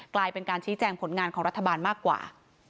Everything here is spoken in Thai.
กลายเป็นการชี้แจงผลงานของรัฐบาลมากกว่า